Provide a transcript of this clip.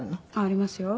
ありますよ。